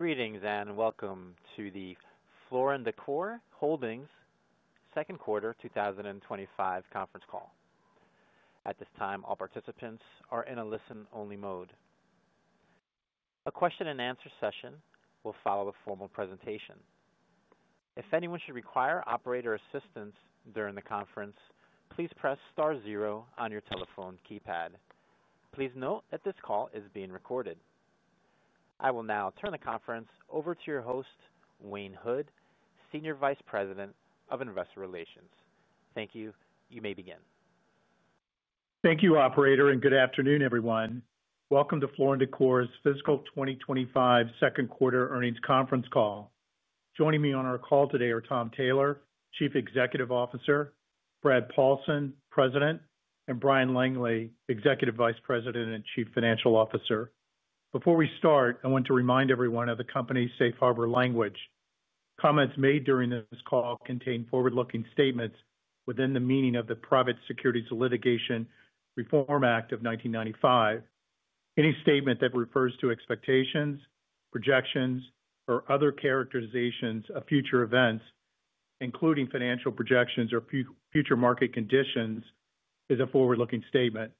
Greetings and welcome to the Floor & Decor Holdings second quarter 2025 conference call. At this time, all participants are in a listen-only mode. A question and answer session will follow a formal presentation. If anyone should require operator assistance during the conference, please press star zero on your telephone keypad. Please note that this call is being recorded. I will now turn the conference over to your host, Wayne Hood, Senior Vice President of Investor Relations. Thank you. You may begin. Thank you, Operator, and good afternoon, everyone. Welcome to Floor & Decor fiscal 2025 second quarter earnings conference call. Joining me on our call today are Tom Taylor, Chief Executive Officer; Brad Paulsen, President; and Bryan Langley, Executive Vice President and Chief Financial Officer. Before we start, I want to remind everyone of the company's safe harbor language. Comments made during this call contain forward-looking statements within the meaning of the Private Securities Litigation Reform Act of 1995. Any statement that refers to expectations, projections, or other characterizations of future events, including financial projections or future market conditions, is a forward-looking statement.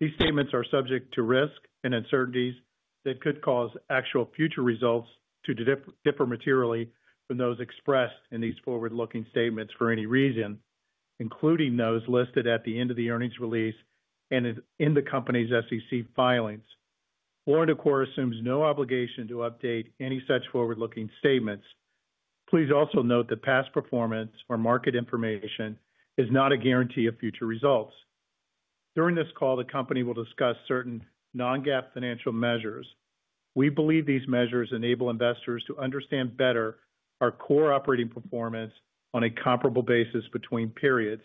These statements are subject to risks and uncertainties that could cause actual future results to differ materially from those expressed in these forward-looking statements for any reason, including those listed at the end of the earnings release and in the company's SEC filings. Floor & Decor assumes no obligation to update any such forward-looking statements. Please also note that past performance or market information is not a guarantee of future results. During this call, the company will discuss certain non-GAAP financial measures. We believe these measures enable investors to better understand our core operating performance on a comparable basis between periods.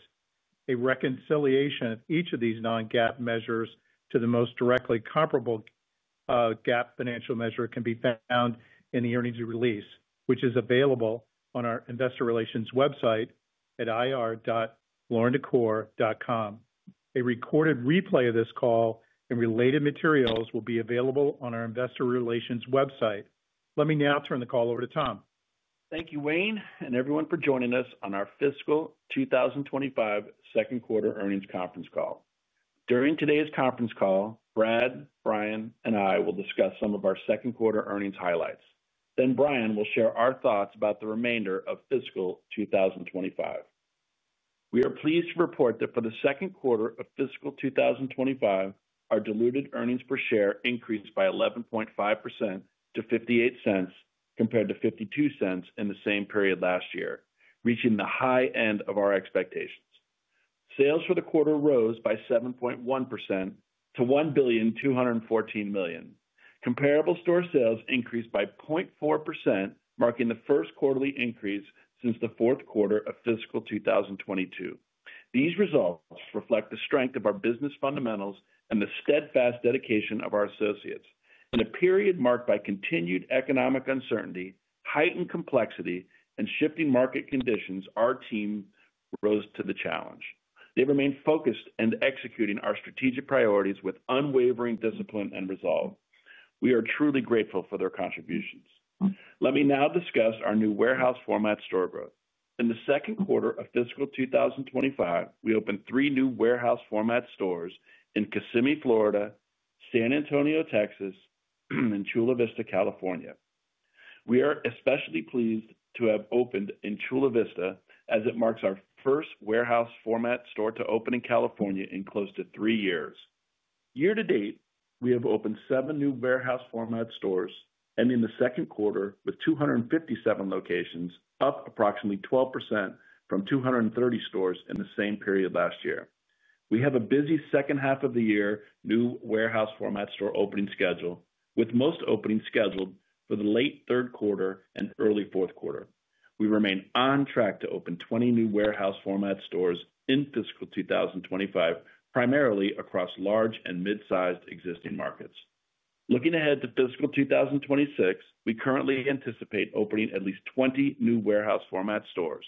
A reconciliation of each of these non-GAAP measures to the most directly comparable GAAP financial measure can be found in the earnings release, which is available on our Investor Relations website at ir.flooranddecor.com. A recorded replay of this call and related materials will be available on our Investor Relations website. Let me now turn the call over to Tom. Thank you, Wayne, and everyone for joining us on our fiscal 2025 second quarter earnings conference call. During today's conference call, Brad, Bryan, and I will discuss some of our second quarter earnings highlights. Bryan will share our thoughts about the remainder of fiscal 2025. We are pleased to report that for the second quarter of fiscal 2025, our Diluted earnings per share increased by 11.5% to $0.58 compared to $0.52 in the same period last year, reaching the high end of our expectations. Sales for the quarter rose by 7.1% to $1,214 million. Comparable store sales increased by 0.4%, marking the first quarterly increase since the fourth quarter of fiscal 2022. These results reflect the strength of our business fundamentals and the steadfast dedication of our associates. In a period marked by continued economic uncertainty, heightened complexity, and shifting market conditions, our team rose to the challenge. They remain focused and executing our strategic priorities with unwavering discipline and resolve. We are truly grateful for their contributions. Let me now discuss our new warehouse format store growth. In the second quarter of fiscal 2025, we opened three new warehouse format stores in Kissimmee, Florida, San Antonio, Texas, and Chula Vista, California. We are especially pleased to have opened in Chula Vista, as it marks our first warehouse format store to open in California in close to three years. Year to date, we have opened seven new warehouse format stores, ending the second quarter with 257 locations, up approximately 12% from 230 stores in the same period last year. We have a busy second half of the year new warehouse format store opening schedule, with most openings scheduled for the late third quarter and early fourth quarter. We remain on track to open 20 new warehouse format stores in fiscal 2025, primarily across large and mid-sized existing markets. Looking ahead to fiscal 2026, we currently anticipate opening at least 20 new warehouse format stores.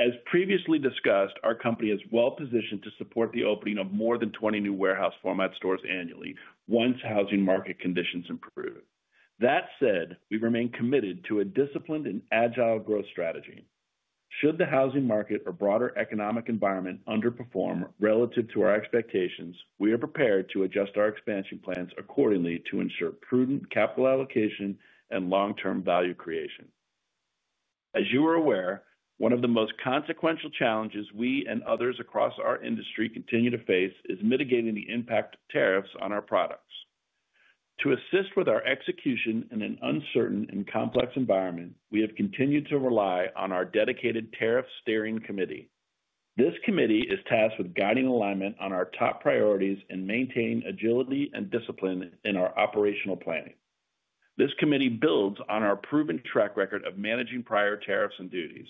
As previously discussed, our company is well positioned to support the opening of more than 20 new warehouse format stores annually, once housing market conditions improve. That said, we remain committed to a disciplined and agile growth strategy. Should the housing market or broader economic environment underperform relative to our expectations, we are prepared to adjust our expansion plans accordingly to ensure prudent capital allocation and long-term value creation. As you are aware, one of the most consequential challenges we and others across our industry continue to face is mitigating the impact of tariffs on our products. To assist with our execution in an uncertain and complex environment, we have continued to rely on our dedicated Tariff Steering Committee. This committee is tasked with guiding alignment on our top priorities and maintaining agility and discipline in our operational planning. This committee builds on our proven track record of managing prior tariffs and duties,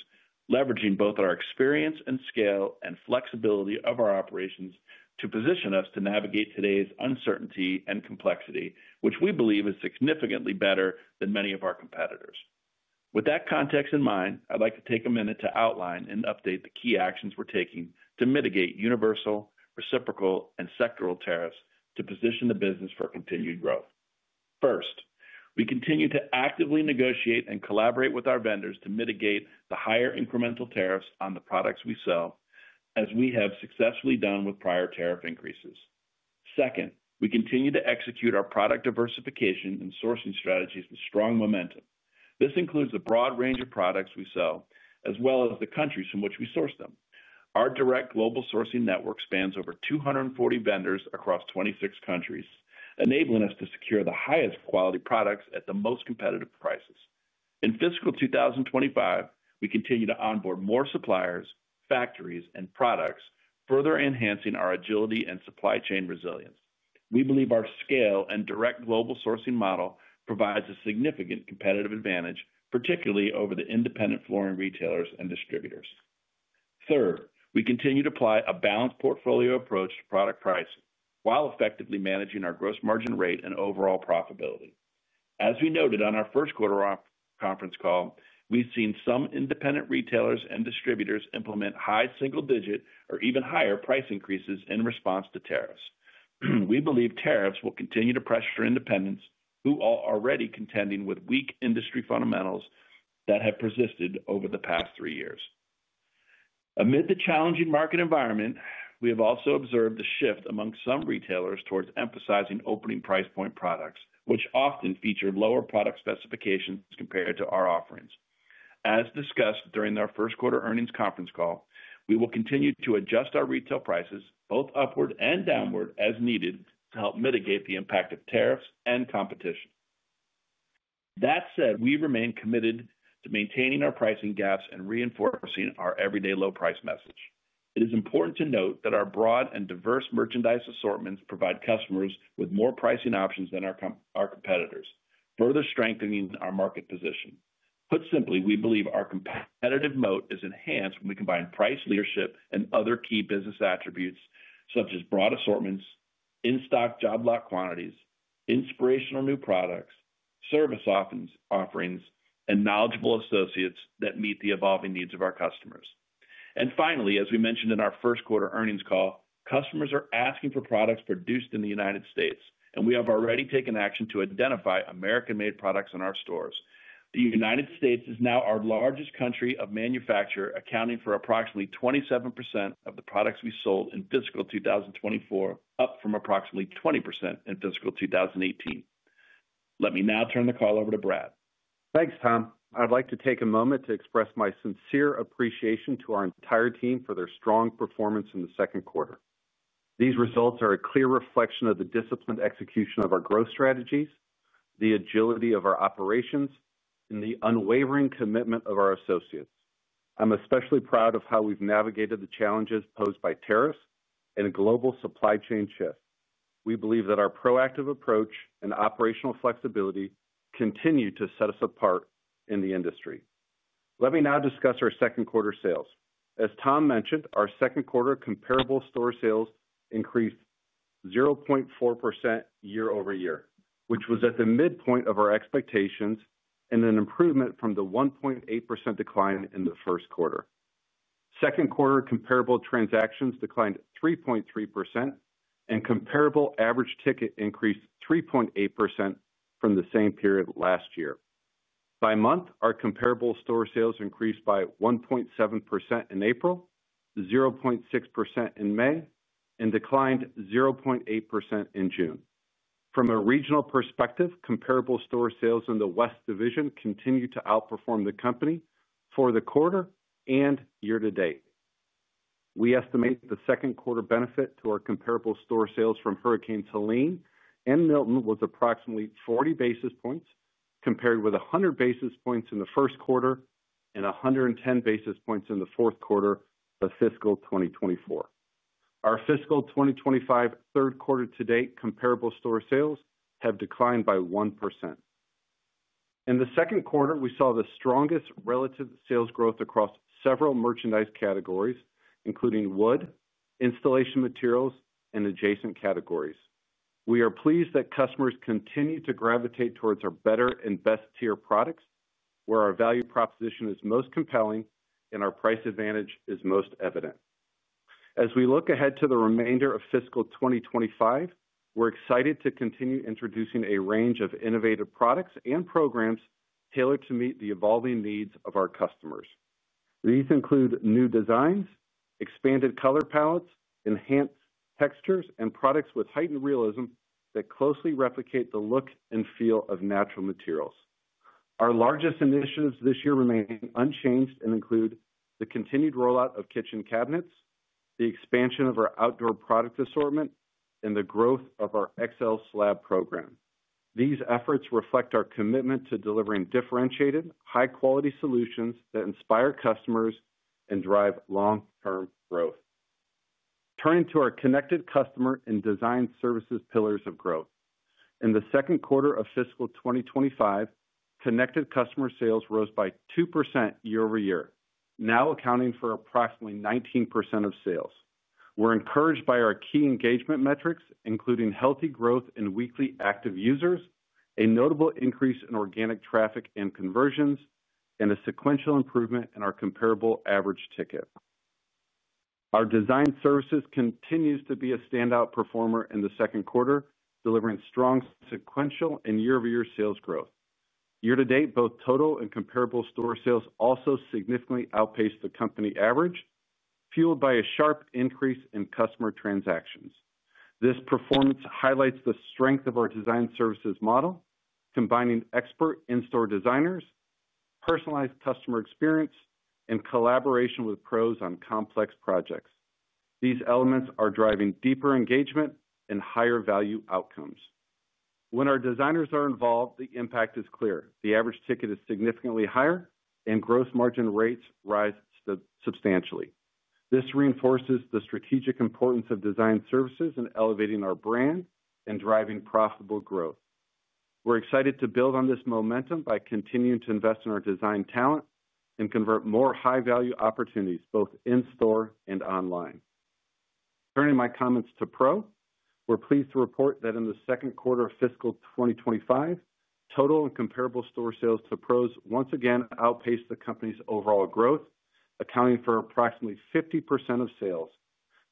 leveraging both our experience and scale and flexibility of our operations to position us to navigate today's uncertainty and complexity, which we believe is significantly better than many of our competitors. With that context in mind, I'd like to take a minute to outline and update the key actions we're taking to mitigate universal, reciprocal, and sectoral tariffs to position the business for continued growth. First, we continue to actively negotiate and collaborate with our vendors to mitigate the higher incremental tariffs on the products we sell, as we have successfully done with prior tariff increases. Second, we continue to execute our product diversification and sourcing strategies with strong momentum. This includes the broad range of products we sell, as well as the countries from which we source them. Our direct global sourcing network spans over 240 vendors across 26 countries, enabling us to secure the highest quality products at the most competitive prices. In fiscal 2025, we continue to onboard more suppliers, factories, and products, further enhancing our agility and supply chain resilience. We believe our scale and direct global sourcing model provides a significant competitive advantage, particularly over the independent flooring retailers and distributors. Third, we continue to apply a balanced portfolio approach to product pricing while effectively managing our Gross margin rate and overall profitability. As we noted on our first quarter conference call, we've seen some independent retailers and distributors implement high single-digit or even higher price increases in response to tariffs. We believe tariffs will continue to pressure independents, who are already contending with weak industry fundamentals that have persisted over the past three years. Amid the challenging market environment, we have also observed a shift among some retailers towards emphasizing opening price point products, which often feature lower product specifications compared to our offerings. As discussed during our first quarter earnings conference call, we will continue to adjust our retail prices both upward and downward as needed to help mitigate the impact of tariffs and competition. That said, we remain committed to maintaining our pricing gaps and reinforcing our everyday low price message. It is important to note that our broad and diverse merchandise assortments provide customers with more pricing options than our competitors, further strengthening our market position. Put simply, we believe our competitive moat is enhanced when we combine price leadership and other key business attributes, such as broad assortments, in-stock job lot quantities, inspirational new products, service offerings, and knowledgeable associates that meet the evolving needs of our customers. Finally, as we mentioned in our first quarter earnings call, customers are asking for products produced in the United States, and we have already taken action to identify American-made products in our stores. The United States is now our largest country of manufacture, accounting for approximately 27% of the products we sold in fiscal 2024, up from approximately 20% in fiscal 2018. Let me now turn the call over to Brad. Thanks, Tom. I'd like to take a moment to express my sincere appreciation to our entire team for their strong performance in the second quarter. These results are a clear reflection of the disciplined execution of our growth strategies, the agility of our operations, and the unwavering commitment of our associates. I'm especially proud of how we've navigated the challenges posed by tariffs and global supply chain shifts. We believe that our proactive approach and operational flexibility continue to set us apart in the industry. Let me now discuss our second quarter sales. As Tom mentioned, our second quarter Comparable store sales increased 0.4% year-over-year, which was at the midpoint of our expectations and an improvement from the 1.8% decline in the first quarter. Second quarter comparable transactions declined 3.3%, and comparable average ticket increased 3.8% from the same period last year. By month, our Comparable store sales increased by 1.7% in April, 0.6% in May, and declined 0.8% in June. From a regional perspective, Comparable store sales in the west division continue to outperform the company for the quarter and year to date. We estimate the second quarter benefit to our Comparable store sales from Hurricane Helene and Milton was approximately 40 basis points compared with 100 basis points in the first quarter and 110 basis points in the fourth quarter of fiscal 2024. Our fiscal 2025 third quarter to date Comparable store sales have declined by 1%. In the second quarter, we saw the strongest relative sales growth across several merchandise categories, including wood, installation materials, and adjacent categories. We are pleased that customers continue to gravitate towards our better and best-tier products, where our value proposition is most compelling and our price advantage is most evident. As we look ahead to the remainder of fiscal 2025, we're excited to continue introducing a range of innovative products and programs tailored to meet the evolving needs of our customers. These include new designs, expanded color palettes, enhanced textures, and products with heightened realism that closely replicate the look and feel of natural materials. Our largest initiatives this year remain unchanged and include the continued rollout of kitchen cabinets, the expansion of our outdoor product assortment, and the growth of our XL slab program. These efforts reflect our commitment to delivering differentiated, high-quality solutions that inspire customers and drive long-term growth. Turning to our connected customer and design services pillars of growth. In the second quarter of fiscal 2025, connected customer sales rose by 2% year over year, now accounting for approximately 19% of sales. We're encouraged by our key engagement metrics, including healthy growth in weekly active users, a notable increase in organic traffic and conversions, and a sequential improvement in our comparable average ticket. Our design services continue to be a standout performer in the second quarter, delivering strong sequential and year-over-year sales growth. Year to date, both total and Comparable store sales also significantly outpaced the company average, fueled by a sharp increase in customer transactions. This performance highlights the strength of our design services model, combining expert in-store designers, personalized customer experience, and collaboration with pros on complex projects. These elements are driving deeper engagement and higher value outcomes. When our designers are involved, the impact is clear. The average ticket is significantly higher, and Gross margin rates rise substantially. This reinforces the strategic importance of design services in elevating our brand and driving profitable growth. We're excited to build on this momentum by continuing to invest in our design talent and convert more high-value opportunities, both in-store and online. Turning my comments to pro, we're pleased to report that in the second quarter of fiscal 2025, total and Comparable store sales to pros once again outpaced the company's overall growth, accounting for approximately 50% of sales.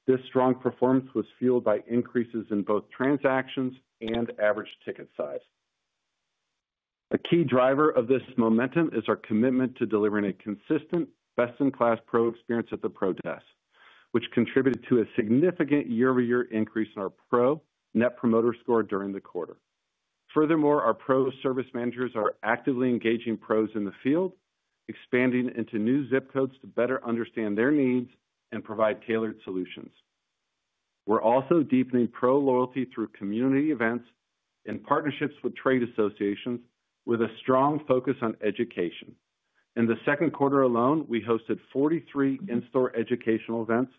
This strong performance was fueled by increases in both transactions and average ticket size. A key driver of this momentum is our commitment to delivering a consistent, best-in-class pro experience at the pro desk, which contributed to a significant year-over-year increase in our Pro Net Promoter Score during the quarter. Furthermore, our pro service managers are actively engaging pros in the field, expanding into new zip codes to better understand their needs and provide tailored solutions. We're also deepening pro loyalty through community events and partnerships with trade associations, with a strong focus on education. In the second quarter alone, we hosted 43 in-store educational events,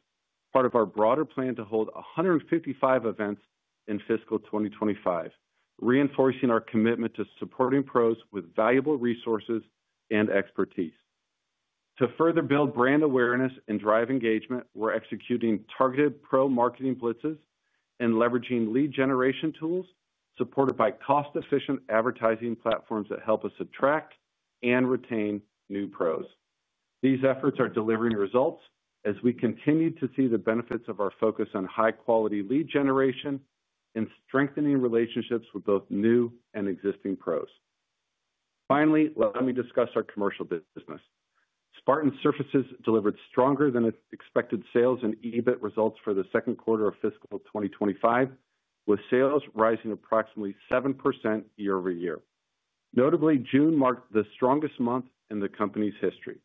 part of our broader plan to hold 155 events in fiscal 2025, reinforcing our commitment to supporting pros with valuable resources and expertise. To further build brand awareness and drive engagement, we're executing targeted pro marketing blitzes and leveraging lead generation tools, supported by cost-efficient advertising platforms that help us attract and retain new pros. These efforts are delivering results as we continue to see the benefits of our focus on high-quality lead generation and strengthening relationships with both new and existing pros. Finally, let me discuss our commercial business. Spartan Surfaces delivered stronger than expected sales and EBIT results for the second quarter of fiscal 2025, with sales rising approximately 7% year-over-year. Notably, June marked the strongest month in the company's history.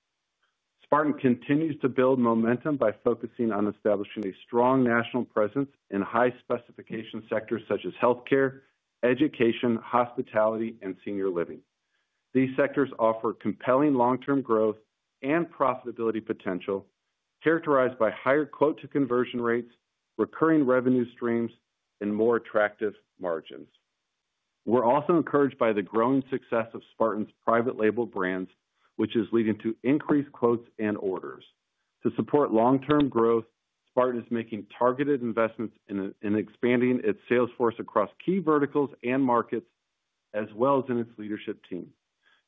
Spartan continues to build momentum by focusing on establishing a strong national presence in high-specification sectors such as healthcare, education, hospitality, and senior living. These sectors offer compelling long-term growth and profitability potential, characterized by higher quote-to-conversion rates, recurring revenue streams, and more attractive margins. We're also encouraged by the growing success of Spartan's private label brands, which is leading to increased quotes and orders. To support long-term growth, Spartan is making targeted investments in expanding its sales force across key verticals and markets, as well as in its leadership team.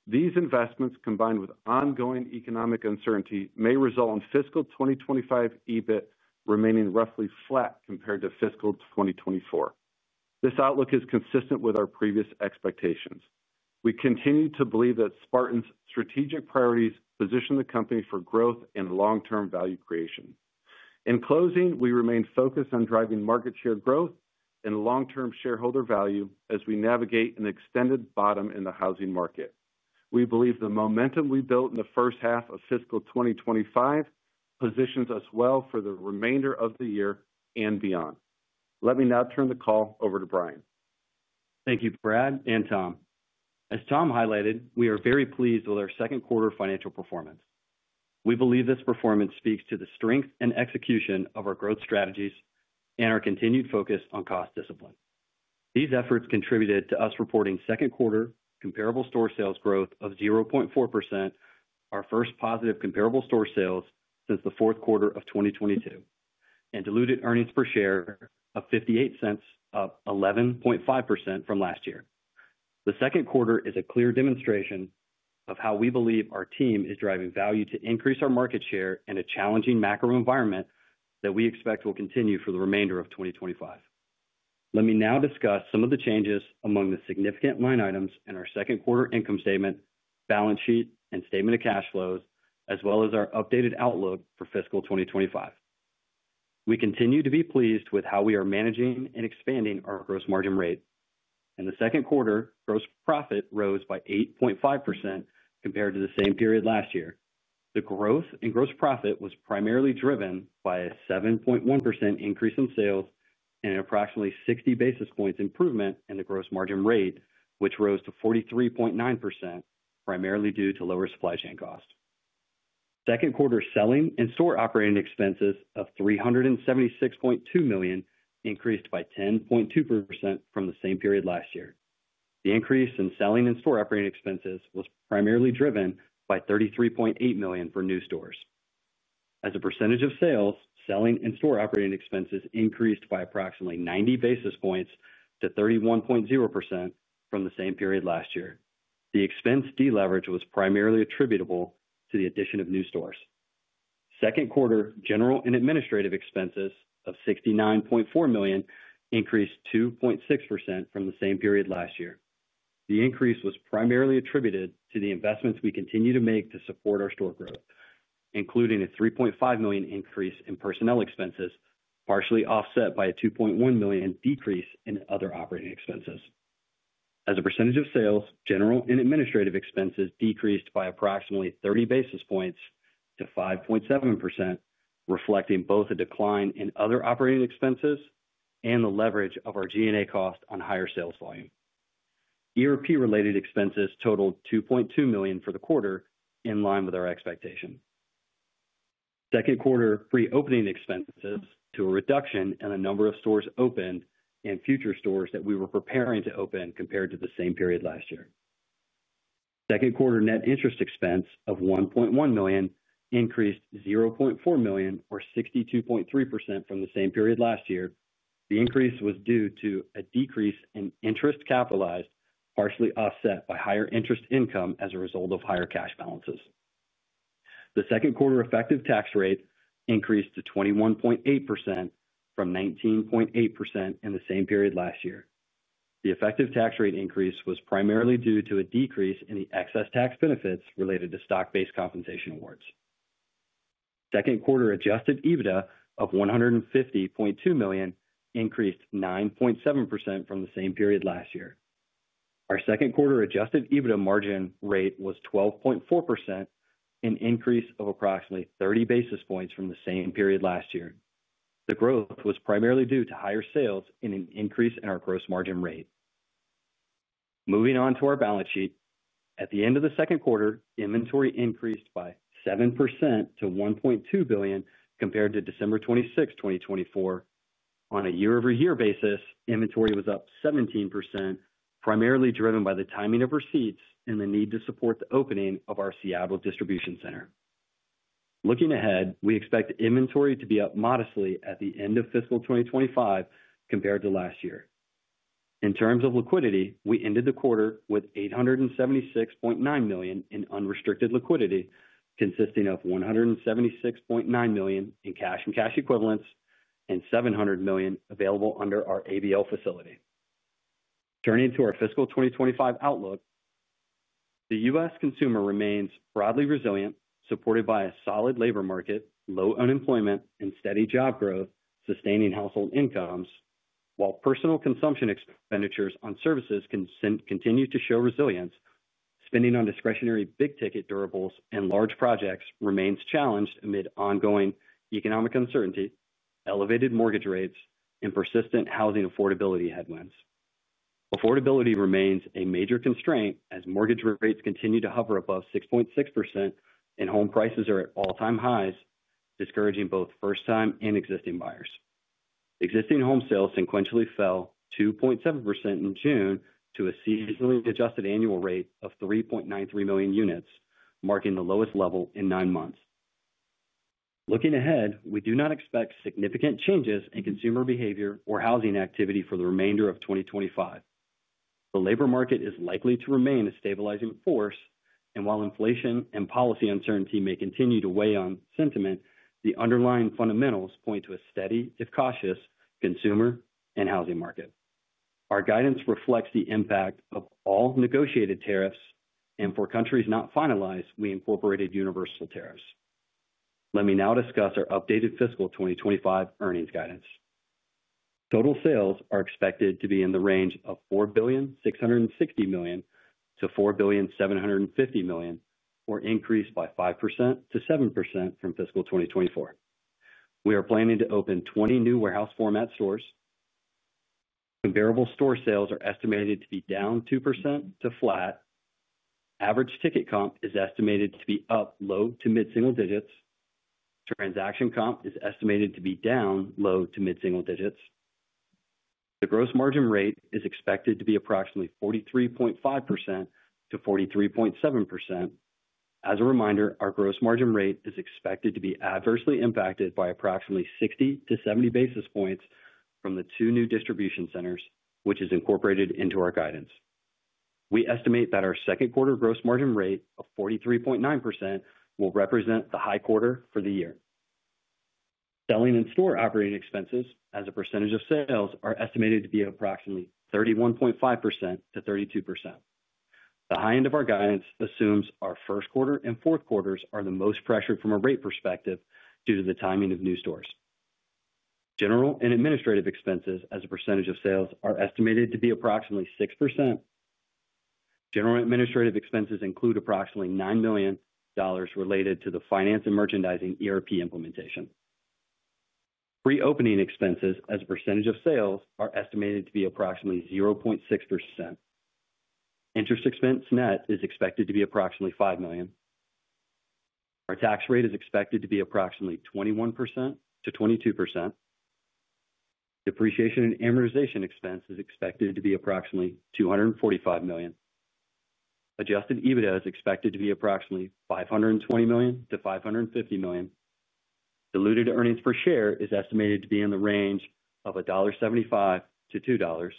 These investments, combined with ongoing economic uncertainty, may result in fiscal 2025 EBIT remaining roughly flat compared to fiscal 2024. This outlook is consistent with our previous expectations. We continue to believe that Spartan's strategic priorities position the company for growth and long-term value creation. In closing, we remain focused on driving market share growth and long-term shareholder value as we navigate an extended bottom in the housing market. We believe the momentum we built in the first half of fiscal 2025 positions us well for the remainder of the year and beyond. Let me now turn the call over to Bryan. Thank you, Brad and Tom. As Tom highlighted, we are very pleased with our second quarter financial performance. We believe this performance speaks to the strength and execution of our growth strategies and our continued focus on cost discipline. These efforts contributed to us reporting second quarter Comparable store sales growth of 0.4%, our first positive Comparable store sales since the fourth quarter of 2022, and Diluted earnings per share of $0.58, up 11.5% from last year. The second quarter is a clear demonstration of how we believe our team is driving value to increase our market share in a challenging macro environment that we expect will continue for the remainder of 2025. Let me now discuss some of the changes among the significant line items in our second quarter income statement, balance sheet, and statement of cash flows, as well as our updated outlook for fiscal 2025. We continue to be pleased with how we are managing and expanding our Gross margin rate. In the second quarter, gross profit rose by 8.5% compared to the same period last year. The growth in gross profit was primarily driven by a 7.1% increase in sales and an approximately 60 basis points improvement in the Gross margin rate, which rose to 43.9%, primarily due to lower supply chain costs. Second quarter selling and store operating expenses of $376.2 million increased by 10.2% from the same period last year. The increase in selling and store operating expenses was primarily driven by $33.8 million for new stores. As a percentage of sales, selling and store operating expenses increased by approximately 90 basis points to 31.0% from the same period last year. The expense deleverage was primarily attributable to the addition of new stores. Second quarter general and administrative expenses of $69.4 million increased 2.6% from the same period last year. The increase was primarily attributed to the investments we continue to make to support our store growth, including a $3.5 million increase in personnel expenses, partially offset by a $2.1 million decrease in other operating expenses. As a percentage of sales, general and administrative expenses decreased by approximately 30 basis points to 5.7%, reflecting both a decline in other operating expenses and the leverage of our G&A cost on higher sales volume. ERP-related expenses totaled $2.2 million for the quarter, in line with our expectation. Second quarter Pre-opening expenses led to a reduction in the number of stores opened and future stores that we were preparing to open compared to the same period last year. Second quarter net interest expense of $1.1 million increased $0.4 million, or 62.3%, from the same period last year. The increase was due to a decrease in interest capitalized, partially offset by higher interest income as a result of higher cash balances. The second quarter effective tax rate increased to 21.8% from 19.8% in the same period last year. The effective tax rate increase was primarily due to a decrease in the excess tax benefits related to stock-based compensation awards. Second quarter adjusted EBITDA of $150.2 million increased 9.7% from the same period last year. Our second quarter adjusted EBITDA margin rate was 12.4%, an increase of approximately 30 basis points from the same period last year. The growth was primarily due to higher sales and an increase in our Gross margin rate. Moving on to our balance sheet, at the end of the second quarter, inventory increased by 7% to $1.2 billion compared to December 26, 2024. On a year-over-year basis, inventory was up 17%, primarily driven by the timing of receipts and the need to support the opening of our Seattle distribution center. Looking ahead, we expect inventory to be up modestly at the end of fiscal 2025 compared to last year. In terms of liquidity, we ended the quarter with $876.9 million in unrestricted liquidity, consisting of $176.9 million in cash and cash equivalents, and $700 million available under our ABL facility. Turning to our fiscal 2025 outlook, the U.S. consumer remains broadly resilient, supported by a solid labor market, low unemployment, and steady job growth, sustaining household incomes, while Personal consumption expenditures on services continue to show resilience. Spending on discretionary big-ticket durables and large projects remains challenged amid ongoing economic uncertainty, elevated mortgage rates, and persistent housing affordability headwinds. Affordability remains a major constraint as mortgage rates continue to hover above 6.6% and home prices are at all-time highs, discouraging both first-time and existing buyers. existing home sales sequentially fell 2.7% in June to a seasonally adjusted annual rate of 3.93 million units, marking the lowest level in nine months. Looking ahead, we do not expect significant changes in consumer behavior or housing activity for the remainder of 2025. The labor market is likely to remain a stabilizing force, and while inflation and policy uncertainty may continue to weigh on sentiment, the underlying fundamentals point to a steady, if cautious, consumer and housing market. Our guidance reflects the impact of all negotiated tariffs, and for countries not finalized, we incorporated universal tariffs. Let me now discuss our updated fiscal 2025 earnings guidance. Total sales are expected to be in the range of $4,660 million to $4,750 million, or increased by 5% to 7% from fiscal 2024. We are planning to open 20 new warehouse format stores. Comparable store sales are estimated to be down 2% to flat. Average ticket comp is estimated to be up low to mid-single digits. Transaction comp is estimated to be down low to mid-single digits. The Gross margin rate is expected to be approximately 43.5% to 43.7%. As a reminder, our Gross margin rate is expected to be adversely impacted by approximately 60 to 70 basis points from the two new distribution centers, which is incorporated into our guidance. We estimate that our second quarter Gross margin rate of 43.9% will represent the high quarter for the year. Selling and store operating expenses as a percentage of sales are estimated to be approximately 31.5% to 32%. The high end of our guidance assumes our first quarter and fourth quarters are the most pressured from a rate perspective due to the timing of new stores. General and administrative expenses as a percentage of sales are estimated to be approximately 6%. General and administrative expenses include approximately $9 million related to the finance and merchandising ERP implementation. Pre-opening expenses as a percentage of sales are estimated to be approximately 0.6%. Interest expense net is expected to be approximately $5 million. Our tax rate is expected to be approximately 21% to 22%. Depreciation and amortization expense is expected to be approximately $245 million. Adjusted EBITDA is expected to be approximately $520 million to $550 million. Diluted earnings per share is estimated to be in the range of $1.75 to $2.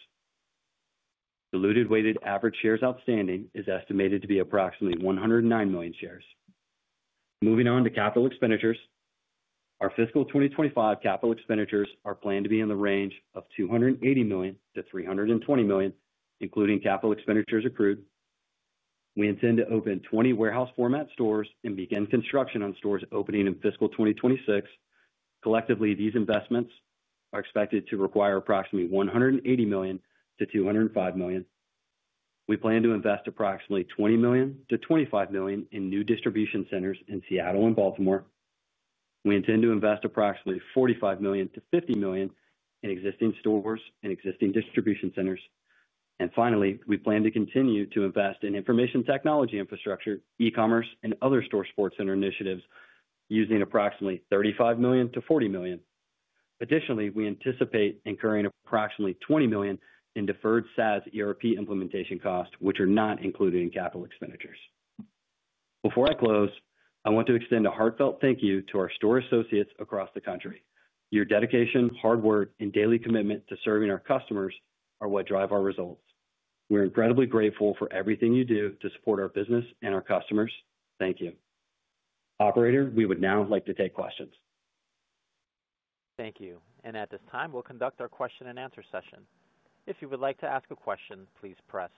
Diluted weighted average shares outstanding is estimated to be approximately 109 million shares. Moving on to capital expenditures, our fiscal 2025 capital expenditures are planned to be in the range of $280 million to $320 million, including capital expenditures accrued. We intend to open 20 warehouse format stores and begin construction on stores opening in fiscal 2026. Collectively, these investments are expected to require approximately $180 million to $205 million. We plan to invest approximately $20 million to $25 million in new distribution centers in Seattle and Baltimore. We intend to invest approximately $45 million to $50 million in existing stores and existing distribution centers. Finally, we plan to continue to invest in information technology infrastructure, e-commerce, and other store support center initiatives using approximately $35 million to $40 million. Additionally, we anticipate incurring approximately $20 million in deferred SaaS ERP implementation costs, which are not included in capital expenditures. Before I close, I want to extend a heartfelt thank you to our store associates across the country. Your dedication, hard work, and daily commitment to serving our customers are what drive our results. We're incredibly grateful for everything you do to support our business and our customers. Thank you. Operator, we would now like to take questions. Thank you. At this time, we'll conduct our question and answer session. If you would like to ask a question, please press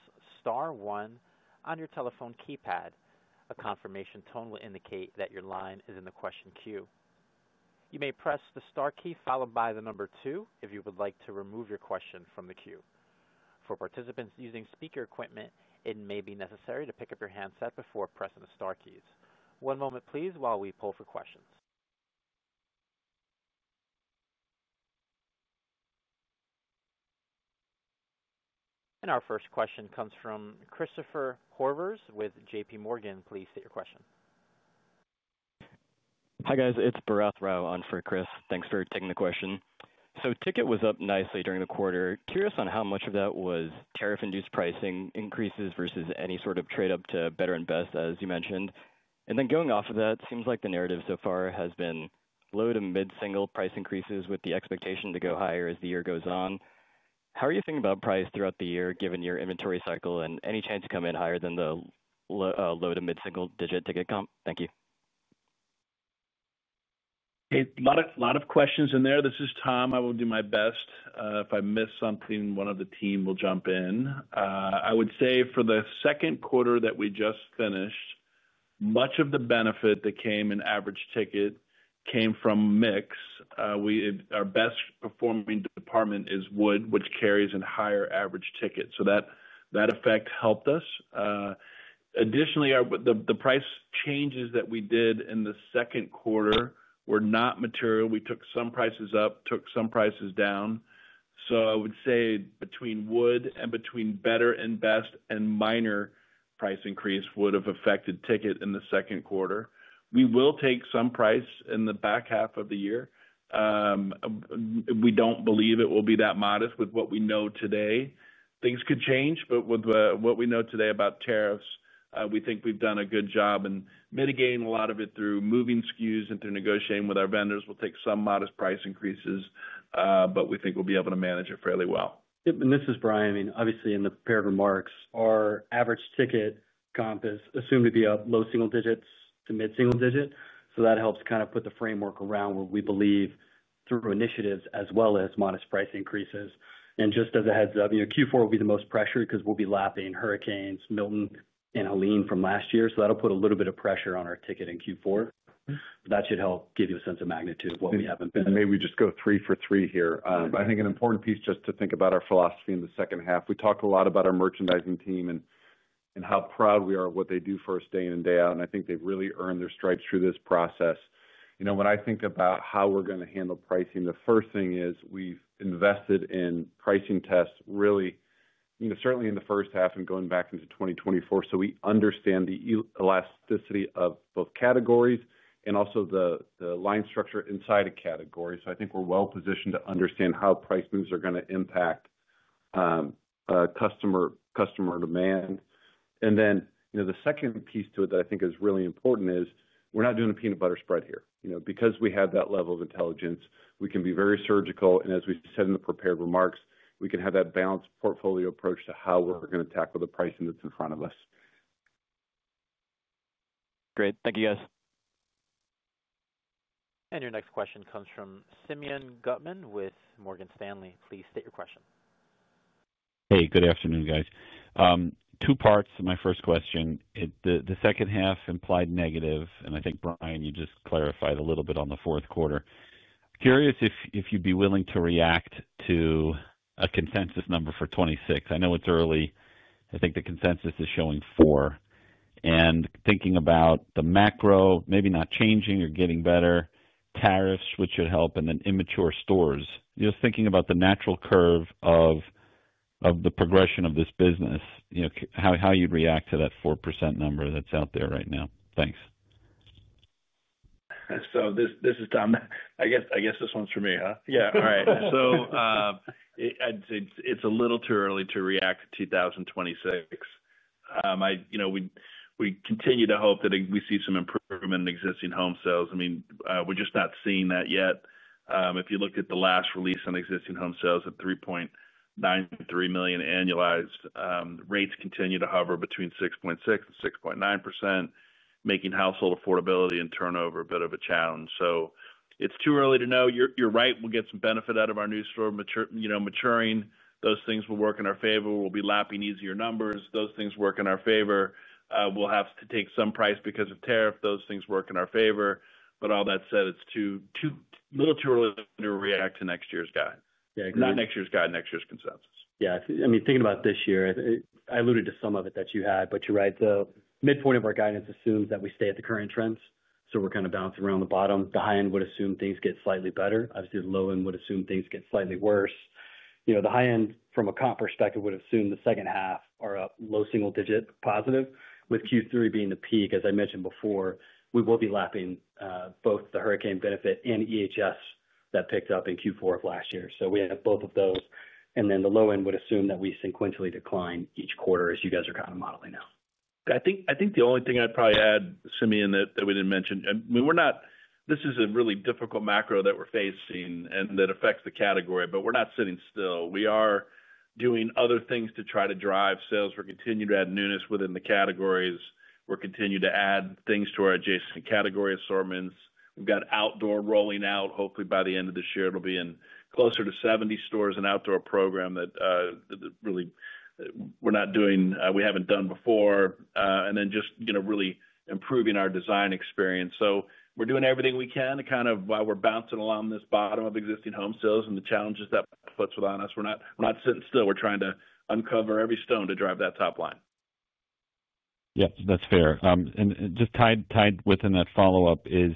star one on your telephone keypad. A confirmation tone will indicate that your line is in the question queue. You may press the star key followed by the number two if you would like to remove your question from the queue. For participants using speaker equipment, it may be necessary to pick up your handset before pressing the star keys. One moment, please, while we pull for questions. Our first question comes from Christopher Horvath with JPMorgan. Please state your question. Hi guys, it's Barath Rao on for Chris. Thanks for taking the question. Ticket was up nicely during the quarter. Curious on how much of that was tariff-induced pricing increases versus any sort of trade up to better invest, as you mentioned. Going off of that, it seems like the narrative so far has been low to mid-single price increases with the expectation to go higher as the year goes on. How are you thinking about price throughout the year, given your inventory cycle and any chance to come in higher than the low to mid-single digit ticket comp? Thank you. A lot of questions in there. This is Tom. I will do my best. If I miss something, one of the team will jump in. I would say for the second quarter that we just finished, much of the benefit that came in average ticket came from mix. Our best performing department is wood, which carries in higher average tickets. That effect helped us. Additionally, the price changes that we did in the second quarter were not material. We took some prices up, took some prices down. I would say between wood and between better and best and minor price increase would have affected ticket in the second quarter. We will take some price in the back half of the year. We don't believe it will be that modest with what we know today. Things could change, but with what we know today about tariffs, we think we've done a good job in mitigating a lot of it through moving SKUs and through negotiating with our vendors. We'll take some modest price increases, but we think we'll be able to manage it fairly well. This is Bryan. Obviously, in the prepared remarks, our average ticket comp is assumed to be up low single digits to mid-single digit. That helps kind of put the framework around where we believe through initiatives as well as modest price increases. Just as a heads up, Q4 will be the most pressured because we'll be lapping Hurricanes Milton and Helene from last year. That'll put a little bit of pressure on our ticket in Q4. That should help give you a sense of magnitude of what we have in. Maybe we just go three for three here. I think an important piece just to think about our philosophy in the second half. We talked a lot about our merchandising team and how proud we are of what they do for us day in and day out. I think they've really earned their stripes through this process. When I think about how we're going to handle pricing, the first thing is we've invested in pricing tests, really, certainly in the first half and going back into 2024. We understand the elasticity of both categories and also the line structure inside a category. I think we're well positioned to understand how price moves are going to impact customer demand. The second piece to it that I think is really important is we're not doing a peanut butter spread here. Because we have that level of intelligence, we can be very surgical. As we said in the prepared remarks, we can have that balanced portfolio approach to how we're going to tackle the pricing that's in front of us. Great. Thank you, guys. Your next question comes from Simeon Ari Gutman with Morgan Stanley. Please state your question. Hey, good afternoon, guys. Two parts to my first question. The second half implied negative, and I think, Bryan, you just clarified a little bit on the fourth quarter. Curious if you'd be willing to react to a consensus number for 2026. I know it's early. I think the consensus is showing 4%. Thinking about the macro, maybe not changing or getting better, tariffs, which should help, and then immature stores. Just thinking about the natural curve of the progression of this business, you know, how you'd react to that 4% number that's out there right now. Thanks. This is Tom. I guess this one's for me, huh? All right. It's a little too early to react to 2026. We continue to hope that we see some improvement in existing home sales. We're just not seeing that yet. If you looked at the last release on existing home sales at 3.93 million annualized, rates continue to hover between 6.6% and 6.9%, making household affordability and turnover a bit of a challenge. It's too early to know. You're right. We'll get some benefit out of our new store maturing. Those things will work in our favor. We'll be lapping easier numbers. Those things work in our favor. We'll have to take some price because of tariff. Those things work in our favor. All that said, it's too little too early to react to next year's guide. Not next year's guide, next year's consensus. Yeah, I mean, thinking about this year, I alluded to some of it that you had, but you're right. The midpoint of our guidance assumes that we stay at the current trends. We're kind of bouncing around the bottom. The high end would assume things get slightly better. Obviously, the low end would assume things get slightly worse. The high end from a comp perspective would assume the second half are up low single digit positive, with Q3 being the peak. As I mentioned before, we will be lapping both the hurricane benefit and EHS that picked up in Q4 of last year. We have both of those. The low end would assume that we sequentially decline each quarter, as you guys are kind of modeling now. I think the only thing I'd probably add, Simeon, that we didn't mention, I mean, this is a really difficult macro that we're facing and that affects the category, but we're not sitting still. We are doing other things to try to drive sales. We're continuing to add newness within the categories. We're continuing to add things to our adjacent category assortments. We've got outdoor rolling out. Hopefully, by the end of this year, it'll be in closer to 70 stores, an outdoor program that really we're not doing, we haven't done before. Just, you know, really improving our design experience. We're doing everything we can to kind of, while we're bouncing along this bottom of existing home sales and the challenges that puts on us, we're not sitting still. We're trying to uncover every stone to drive that top line. That's fair. Just tied within that follow-up is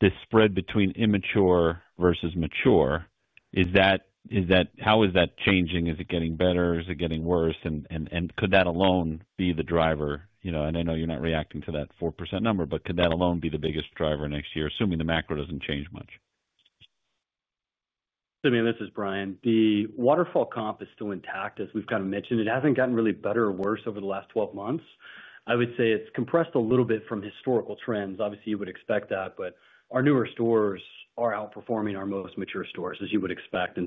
this spread between immature versus mature. Is that, is that, how is that changing? Is it getting better? Is it getting worse? Could that alone be the driver? I know you're not reacting to that 4% number, but could that alone be the biggest driver next year, assuming the macro doesn't change much? Simeon, this is Bryan. The waterfall comp is still intact, as we've kind of mentioned. It hasn't gotten really better or worse over the last 12 months. I would say it's compressed a little bit from historical trends. Obviously, you would expect that, but our newer stores are outperforming our most mature stores, as you would expect.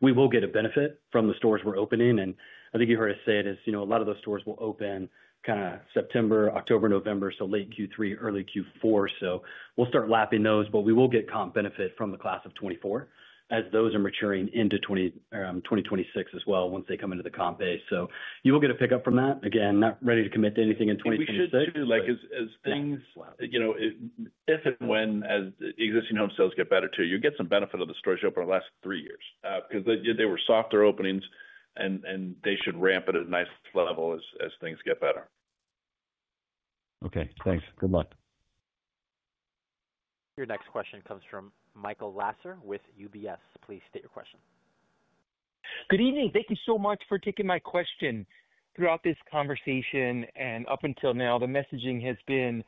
We will get a benefit from the stores we're opening. I think you heard us say it is, you know, a lot of those stores will open kind of September, October, November, late Q3, early Q4. We'll start lapping those, but we will get comp benefit from the class of '24, as those are maturing into 2026 as well, once they come into the comp base. You will get a pickup from that. Again, not ready to commit to anything in 2026. We should too, as things, you know, if and when existing home sales get better, you get some benefit of the stores you opened the last three years, because they were softer openings and they should ramp at a nice level as things get better. Okay, thanks. Good luck. Your next question comes from Michael Lasser with UBS Investment Bank. Please state your question. Good evening. Thank you so much for taking my question. Throughout this conversation and up until now, the messaging has been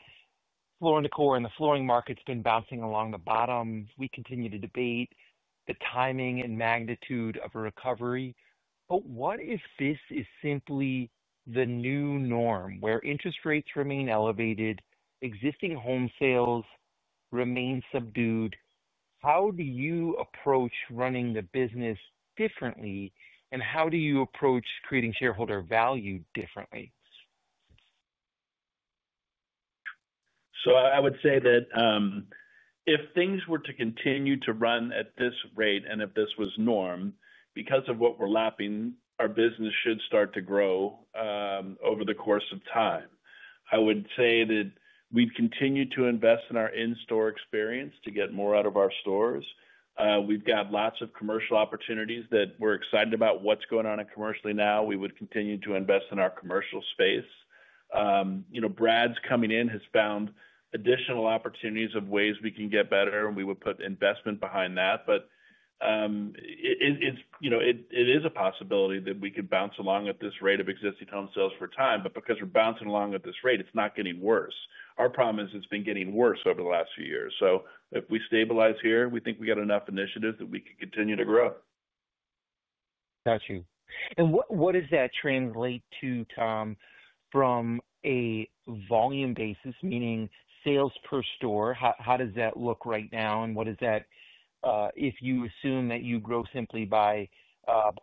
Floor & Decor, and the flooring market's been bouncing along the bottom. We continue to debate the timing and magnitude of a recovery. What if this is simply the new norm where interest rates remain elevated, existing home sales remain subdued? How do you approach running the business differently? How do you approach creating shareholder value differently? I would say that if things were to continue to run at this rate and if this was norm, because of what we're lapping, our business should start to grow over the course of time. I would say that we'd continue to invest in our in-store experience to get more out of our stores. We've got lots of commercial opportunities that we're excited about what's going on commercially now. We would continue to invest in our commercial space. You know, Brad's coming in has found additional opportunities of ways we can get better, and we would put investment behind that. It is a possibility that we could bounce along at this rate of existing home sales for time, but because we're bouncing along at this rate, it's not getting worse. Our problem is it's been getting worse over the last few years. If we stabilize here, we think we got enough initiatives that we could continue to grow. Got you. What does that translate to, Tom, from a volume basis, meaning sales per store? How does that look right now? If you assume that you grow simply by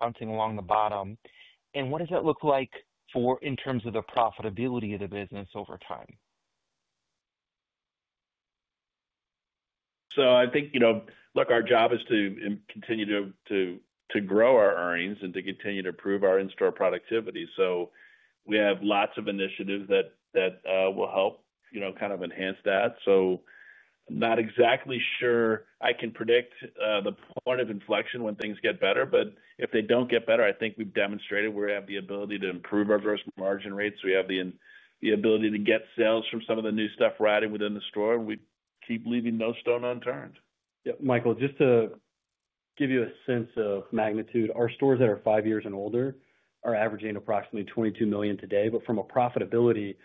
bouncing along the bottom, what does that look like in terms of the profitability of the business over time? I think, you know, look, our job is to continue to grow our earnings and to continue to improve our in-store productivity. We have lots of initiatives that will help, you know, kind of enhance that. I'm not exactly sure I can predict the point of inflection when things get better, but if they don't get better, I think we've demonstrated we have the ability to improve our Gross margin rates. We have the ability to get sales from some of the new stuff riding within the store, and we keep leaving no stone unturned. Yeah, Michael, just to give you a sense of magnitude, our stores that are five years and older are averaging approximately $22 million today, but from a profitability,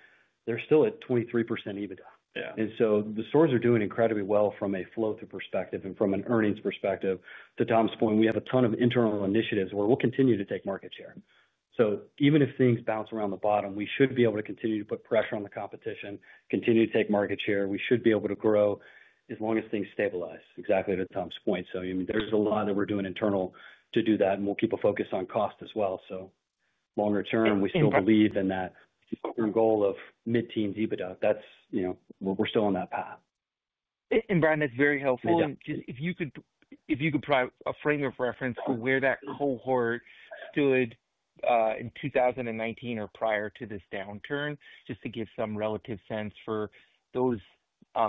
they're still at 23% EBITDA. The stores are doing incredibly well from a flow-through perspective and from an earnings perspective. To Tom's point, we have a ton of internal initiatives where we'll continue to take market share. Even if things bounce around the bottom, we should be able to continue to put pressure on the competition, continue to take market share. We should be able to grow as long as things stabilize, exactly to Tom's point. There's a lot that we're doing internal to do that, and we'll keep a focus on cost as well. Longer term, we still believe in that long-term goal of mid-teens EBITDA. That's, you know, we're still on that path. Bryan, that's very helpful. If you could provide a frame of reference for where that cohort stood in 2019 or prior to this downturn, just to give some relative sense for those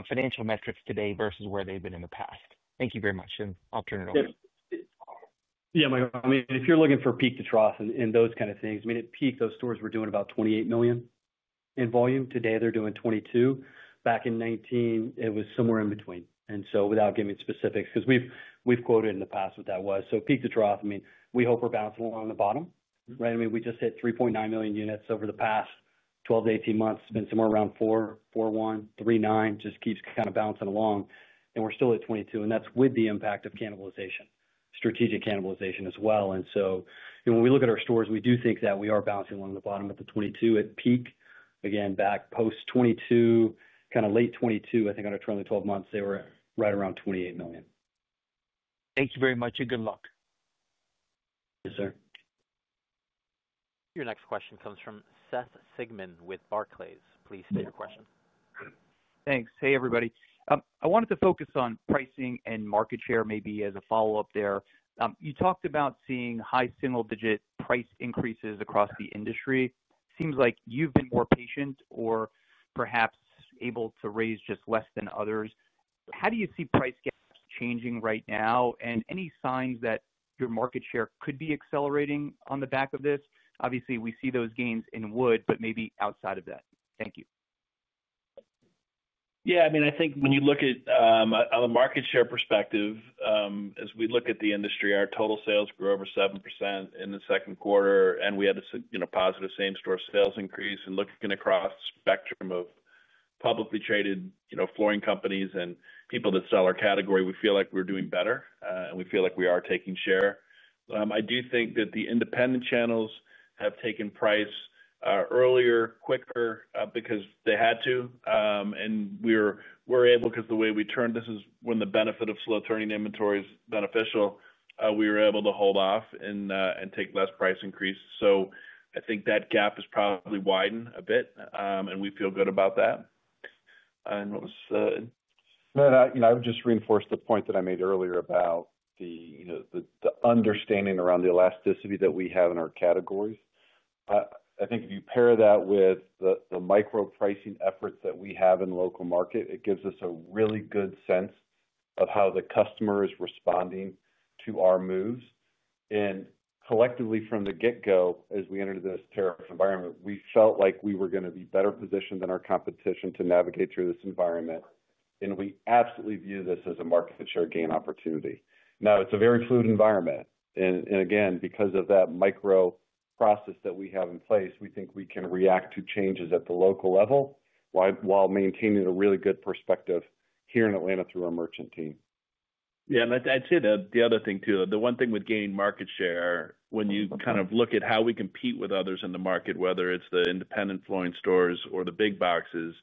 financial metrics today versus where they've been in the past. Thank you very much. I'll turn it over. Yeah, Michael, I mean, if you're looking for peak to trough and those kinds of things, at peak, those stores were doing about $28 million in volume. Today, they're doing $22 million. Back in 2019, it was somewhere in between. Without giving specifics, because we've quoted in the past what that was, peak to trough, we hope we're bouncing along the bottom, right? We just hit 3.9 million units over the past 12 to 18 months. It's been somewhere around 4.41, 3.9, just keeps kind of bouncing along. We're still at $22 million, and that's with the impact of cannibalization, strategic cannibalization as well. When we look at our stores, we do think that we are bouncing along the bottom at the $22 million at peak. Again, back post 2022, kind of late 2022, I think on a trend of 12 months, they were right around $28 million. Thank you very much, and good luck. Yes, sir. Your next question comes from Seth Sigman with Barclays. Please state your question. Thanks. Hey everybody. I wanted to focus on pricing and market share maybe as a follow-up there. You talked about seeing high single-digit price increases across the industry. Seems like you've been more patient or perhaps able to raise just less than others. How do you see price gaps changing right now, and any signs that your market share could be accelerating on the back of this? Obviously, we see those gains in wood, but maybe outside of that. Thank you. Yeah, I mean, I think when you look at, on the market share perspective, as we look at the industry, our total sales grew over 7% in the second quarter, and we had a positive same-store sales increase. Looking across the spectrum of publicly traded flooring companies and people that sell our category, we feel like we're doing better, and we feel like we are taking share. I do think that the independent channels have taken price earlier, quicker, because they had to. We were able, because the way we turned, this is when the benefit of slow turning inventory is beneficial, we were able to hold off and take less price increase. I think that gap has probably widened a bit, and we feel good about that. And what was, in. I would just reinforce the point that I made earlier about the understanding around the elasticity that we have in our categories. I think if you pair that with the micro pricing efforts that we have in the local market, it gives us a really good sense of how the customer is responding to our moves. Collectively, from the get-go, as we entered this tariff environment, we felt like we were going to be better positioned than our competition to navigate through this environment. We absolutely view this as a market share gain opportunity. It's a very fluid environment. Because of that micro process that we have in place, we think we can react to changes at the local level while maintaining a really good perspective here in Atlanta through our merchant team. Yeah, and I'd say the other thing too, the one thing with gaining market share, when you kind of look at how we compete with others in the market, whether it's the independent flooring stores or the big boxes,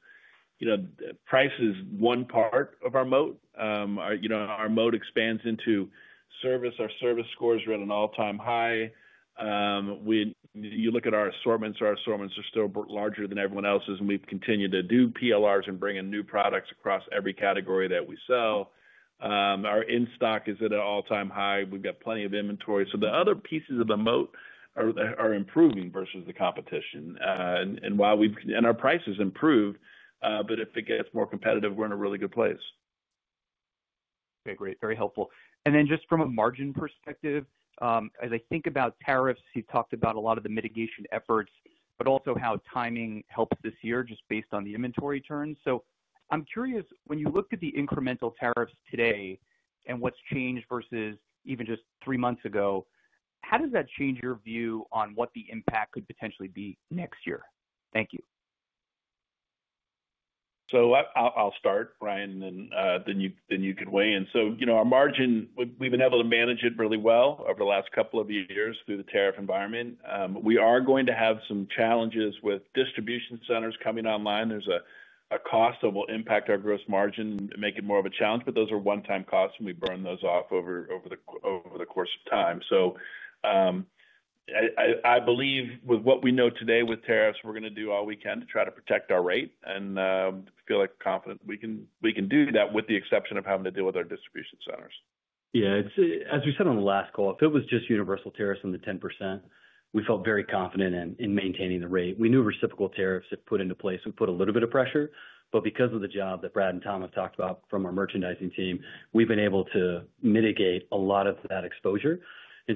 price is one part of our moat. Our moat expands into service. Our service scores are at an all-time high. You look at our assortments, our assortments are still larger than everyone else's, and we've continued to do PLRs and bring in new products across every category that we sell. Our in-stock is at an all-time high. We've got plenty of inventory. The other pieces of the moat are improving versus the competition, and our price has improved, but if it gets more competitive, we're in a really good place. Okay, great. Very helpful. From a margin perspective, as I think about tariffs, you've talked about a lot of the mitigation efforts, but also how timing helps this year just based on the inventory turns. I'm curious, when you look at the incremental tariffs today and what's changed versus even just three months ago, how does that change your view on what the impact could potentially be next year? Thank you. I'll start, Bryan, and then you can weigh in. Our margin, we've been able to manage it really well over the last couple of years through the tariff environment. We are going to have some challenges with distribution centers coming online. There's a cost that will impact our gross margin and make it more of a challenge, but those are one-time costs and we burn those off over the course of time. I believe with what we know today with tariffs, we're going to do all we can to try to protect our rate and feel like we're confident we can do that with the exception of having to deal with our distribution centers. Yeah, as we said on the last call, if it was just universal tariffs on the 10%, we felt very confident in maintaining the rate. We knew reciprocal tariffs had been put into place. It put a little bit of pressure, but because of the job that Brad and Tom have talked about from our merchandising team, we've been able to mitigate a lot of that exposure.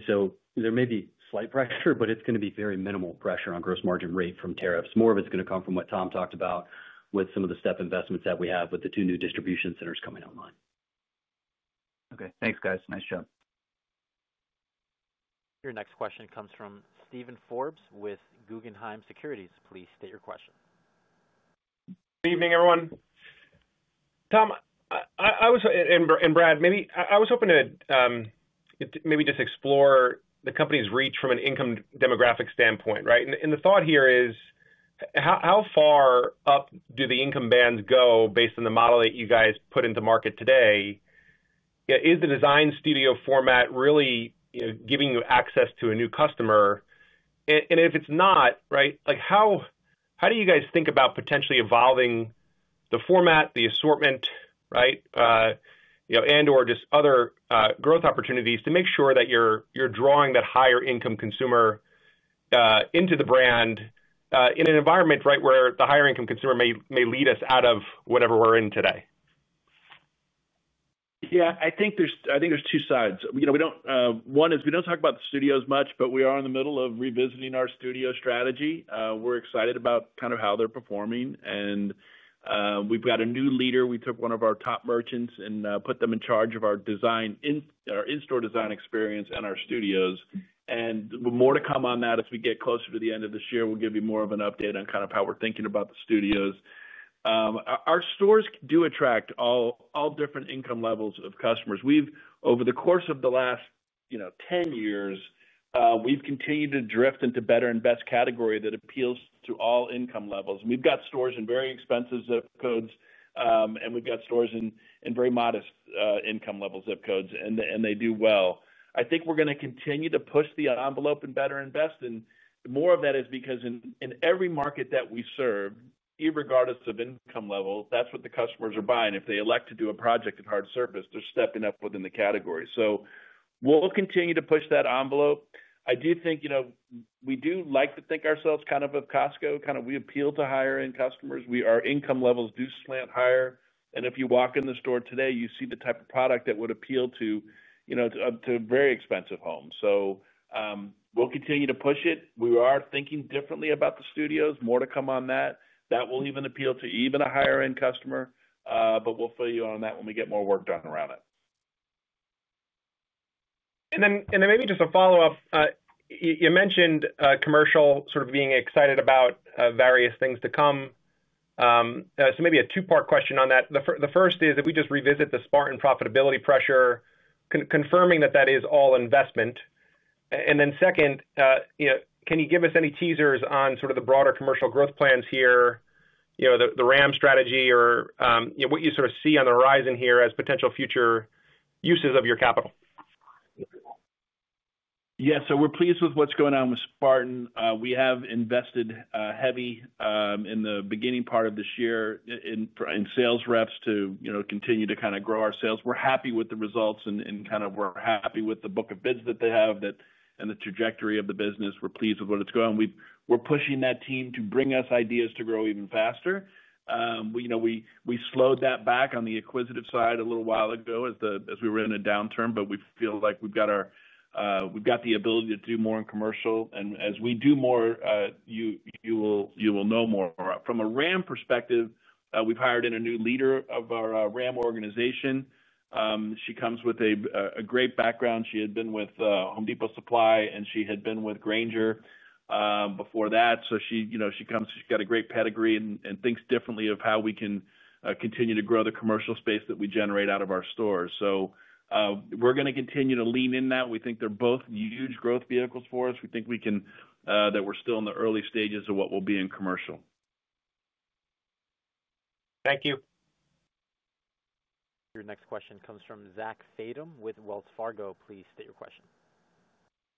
There may be slight pressure, but it's going to be very minimal pressure on Gross margin rate from tariffs. More of it's going to come from what Tom talked about with some of the step investments that we have with the two new distribution centers coming online. Okay, thanks guys. Nice job. Your next question comes from Steven Forbes with Guggenheim Securities. Please state your question. Good evening everyone. Tom, I was, and Brad, maybe I was hoping to maybe just explore the company's reach from an income demographic standpoint, right? The thought here is how far up do the income bands go based on the model that you guys put into market today? Is the design studio format really giving you access to a new customer? If it's not, how do you guys think about potentially evolving the format, the assortment, and or just other growth opportunities to make sure that you're drawing that higher income consumer into the brand in an environment where the higher income consumer may lead us out of whatever we're in today? Yeah, I think there's two sides. One is we don't talk about the studios much, but we are in the middle of revisiting our studio strategy. We're excited about kind of how they're performing. We've got a new leader. We took one of our top merchants and put them in charge of our design, our in-store design experience, and our studios. More to come on that as we get closer to the end of this year, we'll give you more of an update on kind of how we're thinking about the studios. Our stores do attract all different income levels of customers. Over the course of the last 10 years, we've continued to drift into better and best category that appeals to all income levels. We've got stores in very expensive zip codes, and we've got stores in very modest income level zip codes, and they do well. I think we're going to continue to push the envelope in better and best, and more of that is because in every market that we serve, regardless of income level, that's what the customers are buying. If they elect to do a project at hard surface, they're stepping up within the category. We'll continue to push that envelope. I do think we do like to think ourselves kind of of Costco, kind of we appeal to higher-end customers. Our income levels do slant higher, and if you walk in the store today, you see the type of product that would appeal to very expensive homes. We'll continue to push it. We are thinking differently about the studios, more to come on that. That will even appeal to even a higher-end customer, but we'll fill you in on that when we get more work done around it. Maybe just a follow-up. You mentioned commercial, sort of being excited about various things to come. Maybe a two-part question on that. The first is if we just revisit the Spartan profitability pressure, confirming that that is all investment. Second, can you give us any teasers on sort of the broader commercial growth plans here, the RAM strategy, or what you sort of see on the horizon here as potential future uses of your capital? Yeah, so we're pleased with what's going on with Spartan. We have invested heavy in the beginning part of this year in sales reps to, you know, continue to kind of grow our sales. We're happy with the results and we're happy with the book of bids that they have and the trajectory of the business. We're pleased with what it's going. We're pushing that team to bring us ideas to grow even faster. We slowed that back on the acquisitive side a little while ago as we were in a downturn, but we feel like we've got the ability to do more in commercial. As we do more, you will know more. From a RAM perspective, we've hired in a new leader of our RAM organization. She comes with a great background. She had been with Home Depot Supply, and she had been with Grainger before that. She comes, she's got a great pedigree and thinks differently of how we can continue to grow the commercial space that we generate out of our stores. We're going to continue to lean in that. We think they're both huge growth vehicles for us. We think we're still in the early stages of what will be in commercial. Thank you. Your next question comes from Zach Fadem with Wells Fargo Securities. Please state your question.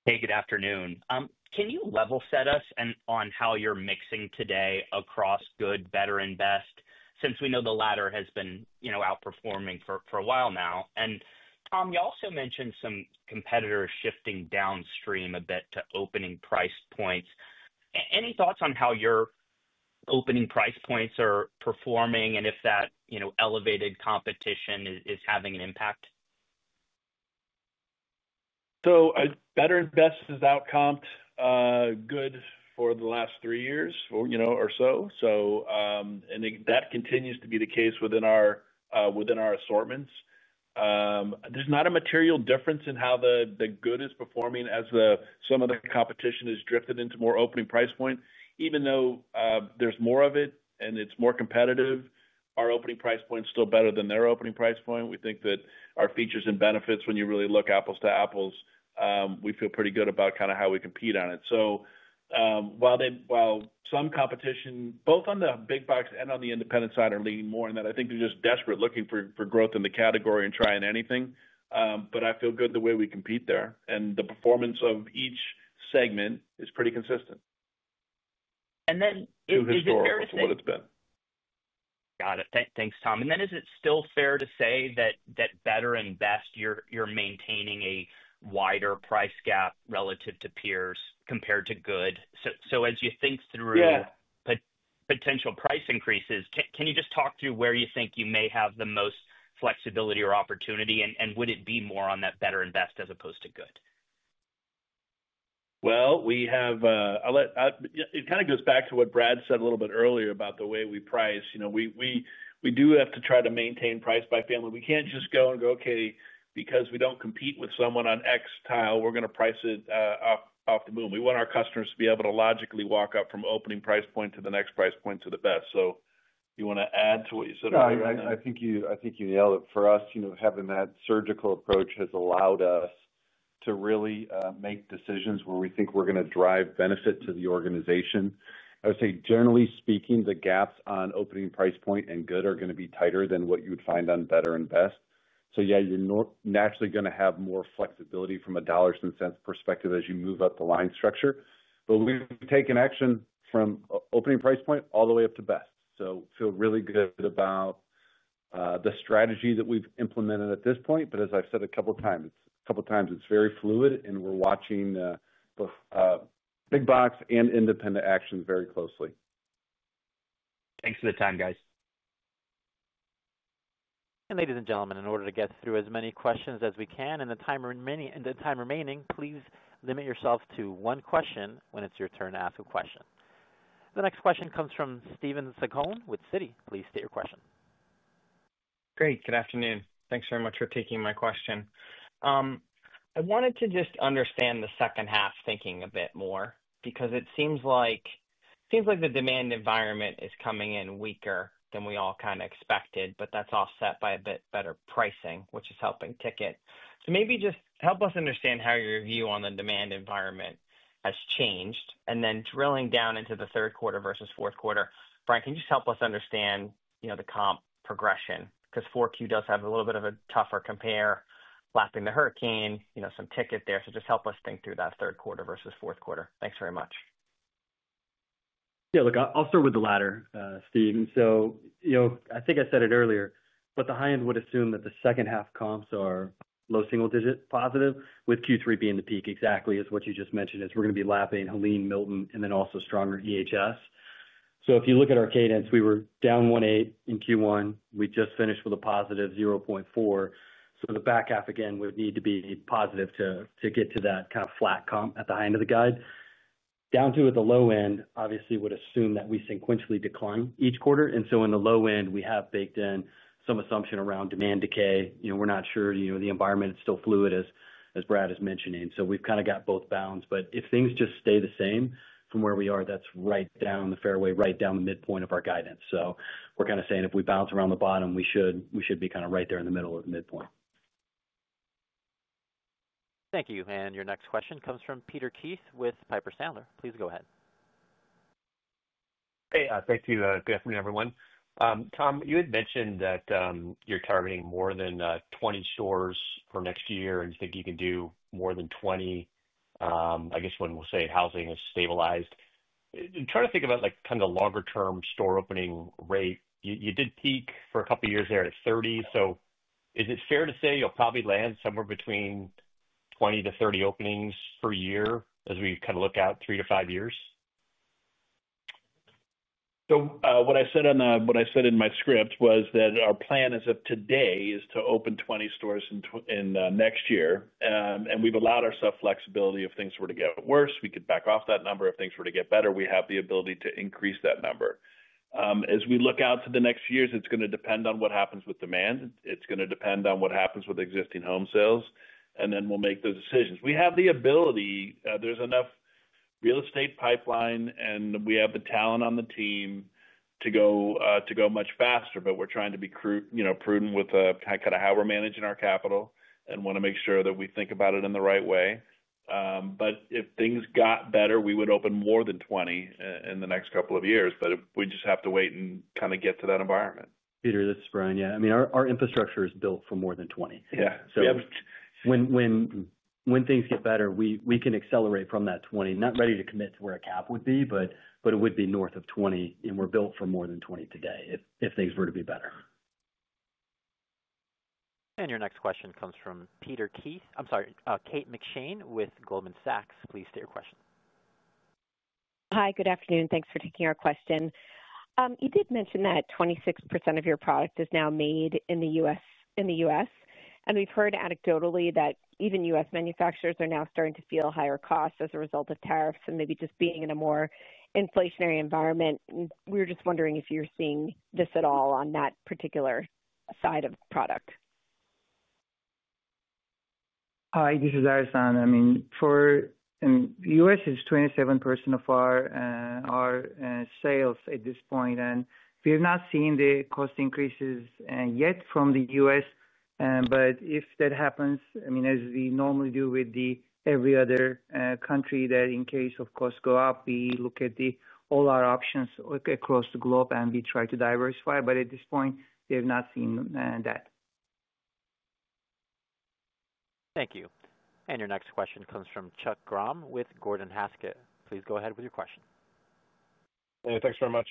Hey, good afternoon. Can you level set us on how you're mixing today across good, better, and best, since we know the latter has been outperforming for a while now? Tom, you also mentioned some competitors shifting downstream a bit to opening price points. Any thoughts on how your opening price points are performing and if that elevated competition is having an impact? Better and best is outcomped, good for the last three years or so. That continues to be the case within our assortments. There's not a material difference in how the good is performing as some of the competition has drifted into more opening price points. Even though there's more of it and it's more competitive, our opening price point is still better than their opening price point. We think that our features and benefits, when you really look apples to apples, we feel pretty good about kind of how we compete on it. While some competition, both on the big box and on the independent side, are leaning more in that, I think they're just desperate looking for growth in the category and trying anything. I feel good the way we compete there. The performance of each segment is pretty consistent. Is it fair to say that? Got it. Thanks, Tom. Is it still fair to say that better and best, you're maintaining a wider price gap relative to peers compared to good? As you think through potential price increases, can you just talk through where you think you may have the most flexibility or opportunity? Would it be more on that better and best as opposed to good? It kind of goes back to what Brad said a little bit earlier about the way we price. You know, we do have to try to maintain price by family. We can't just go and go, okay, because we don't compete with someone on X tile, we're going to price it off the moon. We want our customers to be able to logically walk up from opening price point to the next price point to the best. Do you want to add to what you said about that? Yeah, I think you nailed it. For us, having that surgical approach has allowed us to really make decisions where we think we're going to drive benefit to the organization. I would say, generally speaking, the gaps on opening price point and good are going to be tighter than what you would find on better and best. You're naturally going to have more flexibility from a dollars and cents perspective as you move up the line structure. We've taken action from opening price point all the way up to best. I feel really good about the strategy that we've implemented at this point. As I've said a couple of times, it's very fluid and we're watching both big box and independent actions very closely. Thanks for the time, guys. Ladies and gentlemen, in order to get through as many questions as we can in the time remaining, please limit yourself to one question when it's your turn to ask a question. The next question comes from Steven Zaccone with Citi. Please state your question. Great. Good afternoon. Thanks very much for taking my question. I wanted to just understand the second half thinking a bit more because it seems like the demand environment is coming in weaker than we all kind of expected, but that's offset by a bit better pricing, which is helping ticket. Maybe just help us understand how your view on the demand environment has changed and then drilling down into the third quarter versus fourth quarter. Bryan, can you just help us understand, you know, the comp progression? 4Q does have a little bit of a tougher compare lapping the hurricane, you know, some ticket there. Just help us think through that third quarter versus fourth quarter. Thanks very much. Yeah, look, I'll start with the latter, Steve. I think I said it earlier, but the high end would assume that the second half comps are low single digit positive, with Q3 being the peak. Exactly as what you just mentioned, we're going to be lapping Helene, Milton, and then also stronger EHS. If you look at our cadence, we were down 1.8% in Q1. We just finished with a positive 0.4%. The back half again would need to be positive to get to that kind of flat comp at the high end of the guide. Down to at the low end, obviously would assume that we sequentially decline each quarter. In the low end, we have baked in some assumption around demand decay. We're not sure, the environment is still fluid, as Brad is mentioning. We've kind of got both bounds, but if things just stay the same from where we are, that's right down the fairway, right down the midpoint of our guidance. We're kind of saying if we bounce around the bottom, we should be kind of right there in the middle of the midpoint. Thank you. Your next question comes from Peter Keith with Piper Sandler. Please go ahead. Hey, thanks Steve. Good afternoon everyone. Tom, you had mentioned that you're targeting more than 20 stores for next year, and you think you can do more than 20, I guess when we'll say housing is stabilized. I'm trying to think about like kind of the longer term store opening rate. You did peak for a couple of years there at 30. Is it fair to say you'll probably land somewhere between 20 to 30 openings per year as we kind of look out three to five years? What I said in my script was that our plan as of today is to open 20 stores next year. We've allowed ourselves flexibility. If things were to get worse, we could back off that number. If things were to get better, we have the ability to increase that number. As we look out to the next years, it's going to depend on what happens with demand. It's going to depend on what happens with existing home sales. We'll make those decisions. We have the ability, there's enough real estate pipeline, and we have the talent on the team to go much faster. We're trying to be prudent with how we're managing our capital and want to make sure that we think about it in the right way. If things got better, we would open more than 20 in the next couple of years. We just have to wait and get to that environment. Peter, this is Bryan. Yeah, I mean, our infrastructure is built for more than 20. Yeah When things get better, we can accelerate from that 20. Not ready to commit to where a cap would be, but it would be north of 20, and we're built for more than 20 today if things were to be better. Your next question comes from Peter Keith, I'm sorry, Kate McShane with Goldman Sachs. Please state your question. Hi, good afternoon. Thanks for taking our question. You did mention that 26% of your product is now made in the U.S., and we've heard anecdotally that even U.S. manufacturers are now starting to feel higher costs as a result of tariffs and maybe just being in a more inflationary environment. We were just wondering if you're seeing this at all on that particular side of the product. Hi, this is Ersan. For the U.S., it's 27% of our sales at this point, and we have not seen the cost increases yet from the U.S. If that happens, as we normally do with every other country, in case costs go up, we look at all our options across the globe and we try to diversify, but at this point, we have not seen that. Thank you. Your next question comes from Chuck Grom with Gordon Haskett. Please go ahead with your question. Thanks very much.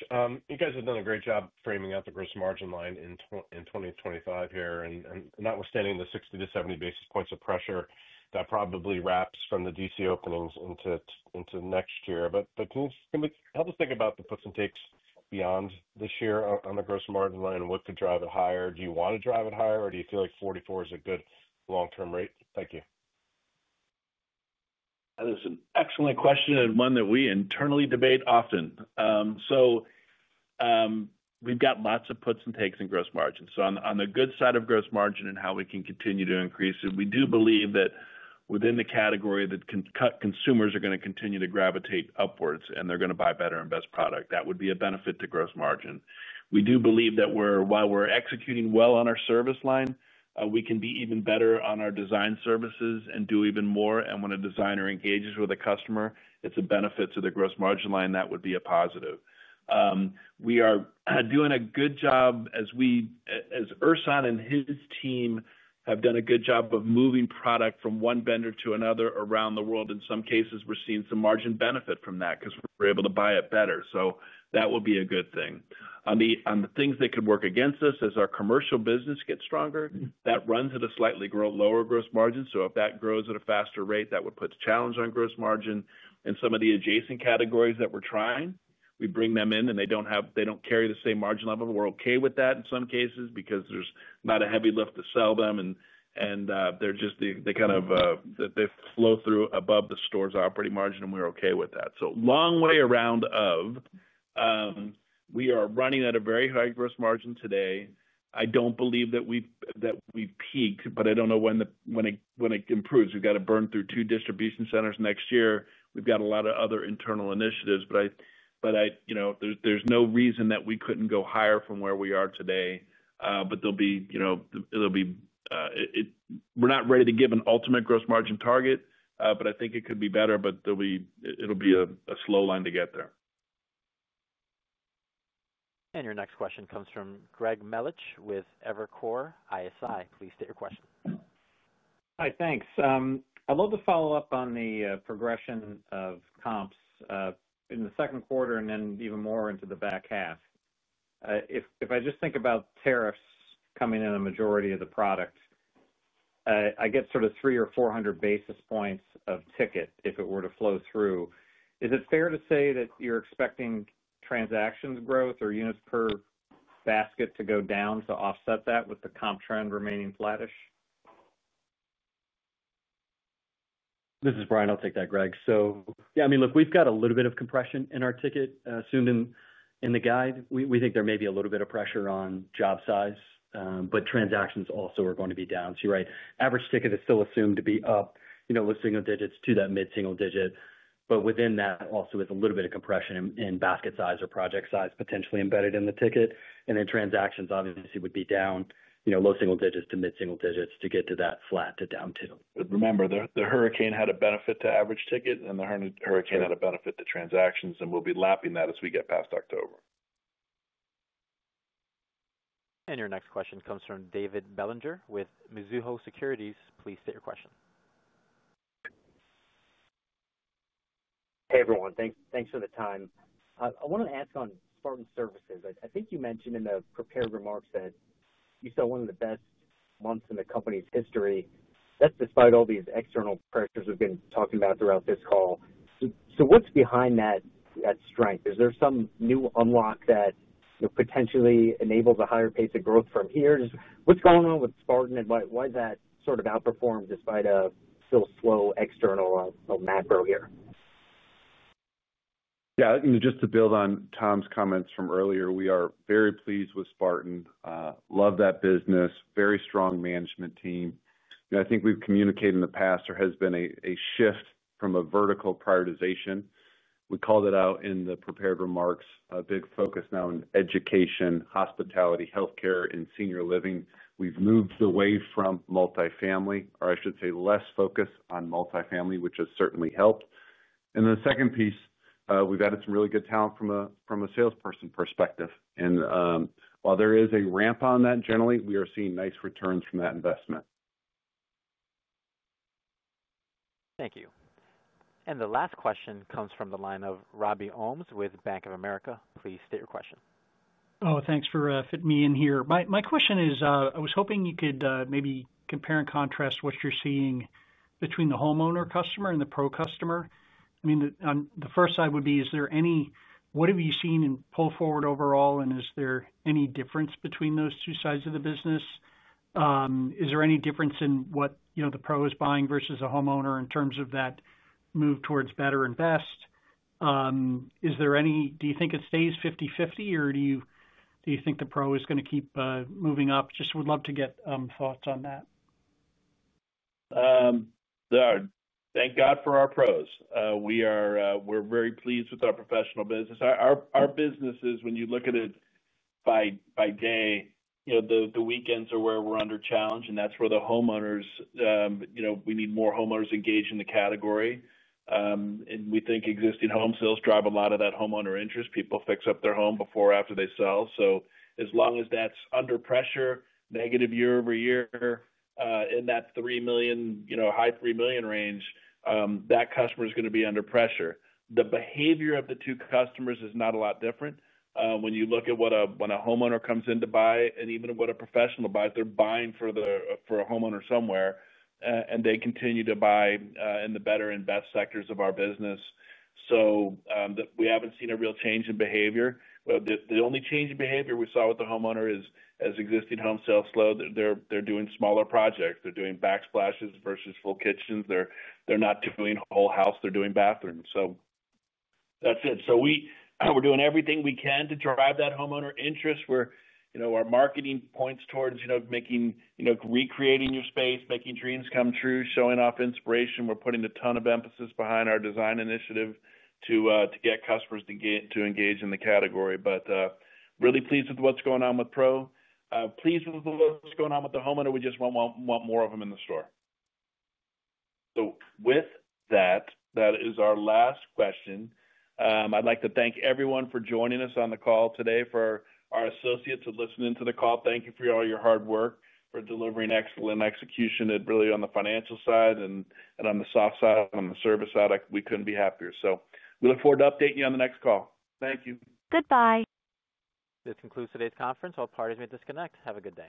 You guys have done a great job framing out the gross margin line in 2025 here, and notwithstanding the 60 to 70 basis points of pressure that probably wraps from the DC openings into next year, can you help us think about the puts and takes beyond this year on the gross margin line and what could drive it higher? Do you want to drive it higher, or do you feel like 44% is a good long-term rate? Thank you. That is an excellent question and one that we internally debate often. We've got lots of puts and takes in gross margins. On the good side of gross margin and how we can continue to increase it, we do believe that within the category that consumers are going to continue to gravitate upwards and they're going to buy better and best product, that would be a benefit to gross margin. We do believe that while we're executing well on our service line, we can be even better on our design services and do even more, and when a designer engages with a customer, it's a benefit to their gross margin line. That would be a positive. We are doing a good job as Ersan and his team have done a good job of moving product from one vendor to another around the world. In some cases, we're seeing some margin benefit from that because we're able to buy it better. That will be a good thing. The things that could work against us as our commercial business gets stronger, that runs at a slightly lower gross margin. If that grows at a faster rate, that would put a challenge on gross margin. Some of the adjacent categories that we're trying, we bring them in and they don't carry the same margin level. We're okay with that in some cases because there's not a heavy lift to sell them and they kind of flow through above the store's operating margin and we're okay with that. We are running at a very high gross margin today. I don't believe that we've peaked, but I don't know when it improves. We've got to burn through two distribution centers next year. We've got a lot of other internal initiatives, but there's no reason that we couldn't go higher from where we are today. We're not ready to give an ultimate gross margin target, but I think it could be better, but it'll be a slow line to get there. Your next question comes from Greg Melich with Evercore ISI. Please state your question. Hi, thanks. I'd love to follow up on the progression of comps in the second quarter and then even more into the back half. If I just think about tariffs coming in a majority of the product, I get sort of 300 or 400 basis points of ticket if it were to flow through. Is it fair to say that you're expecting transactions growth or units per basket to go down to offset that with the comp trend remaining flattish? This is Bryan. I'll take that, Greg. We've got a little bit of compression in our ticket assumed in the guide. We think there may be a little bit of pressure on job size, but transactions also are going to be down. You're right, average ticket is still assumed to be up, you know, low single digits to that mid-single digit, but within that also is a little bit of compression in basket size or project size potentially embedded in the ticket. Transactions obviously would be down, you know, low single digits to mid-single digits to get to that flat to down too. Remember, the hurricane had a benefit to average ticket, and the hurricane had a benefit to transactions, and we'll be lapping that as we get past October. Your next question comes from David Bellinger with Mizuho Securities. Please state your question. Hey everyone, thanks for the time. I wanted to ask on Spartan Surfaces. I think you mentioned in the prepared remarks that you saw one of the best months in the company's history. That's despite all these external pressures we've been talking about throughout this call. What's behind that strength? Is there some new unlock that potentially enables a higher pace of growth from here? What's going on with Spartan and why has that sort of outperformed despite a still slow external macro here? Yeah, you know, just to build on Tom's comments from earlier, we are very pleased with Spartan. Love that business. Very strong management team. I think we've communicated in the past there has been a shift from a vertical prioritization. We called it out in the prepared remarks. A big focus now in education, hospitality, healthcare, and senior living. We've moved away from multifamily, or I should say less focus on multifamily, which has certainly helped. The second piece, we've added some really good talent from a salesperson perspective. While there is a ramp on that, generally, we are seeing nice returns from that investment. Thank you. The last question comes from the line of Robert Ohmes with Bank of America. Please state your question. Thanks for fitting me in here. My question is, I was hoping you could maybe compare and contrast what you're seeing between the homeowner customer and the pro customer. The first side would be, is there any, what have you seen in pull forward overall, and is there any difference between those two sides of the business? Is there any difference in what, you know, the pro is buying versus a homeowner in terms of that move towards better and best? Is there any, do you think it stays 50-50, or do you think the pro is going to keep moving up? Just would love to get thoughts on that. Thank God for our pros. We are very pleased with our professional business. Our business is, when you look at it by day, the weekends are where we're under challenge, and that's where the homeowners, you know, we need more homeowners engaged in the category. We think existing home sales drive a lot of that homeowner interest. People fix up their home before or after they sell. As long as that's under pressure, negative year over year, in that 3 million, high 3 million range, that customer is going to be under pressure. The behavior of the two customers is not a lot different. When you look at what a homeowner comes in to buy, and even what a professional buys, they're buying for a homeowner somewhere, and they continue to buy in the better and best sectors of our business. We haven't seen a real change in behavior. The only change in behavior we saw with the homeowner is as existing home sales slow, they're doing smaller projects. They're doing backsplashes versus full kitchens. They're not doing whole house, they're doing bathrooms. That's it. We're doing everything we can to drive that homeowner interest. Our marketing points towards making, you know, recreating your space, making dreams come true, showing off inspiration. We're putting a ton of emphasis behind our design initiative to get customers to engage in the category. Really pleased with what's going on with pro. Pleased with what's going on with the homeowner. We just want more of them in the store. That is our last question. I'd like to thank everyone for joining us on the call today, for our associates who listened to the call. Thank you for all your hard work, for delivering excellent execution really on the financial side and on the soft side and on the service side. We couldn't be happier. We look forward to updating you on the next call. Thank you. Goodbye. This concludes today's conference. All parties may disconnect. Have a good day.